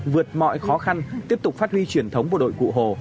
vượt mọi khó khăn tiếp tục phát huy truyền thống bộ đội cụ hồ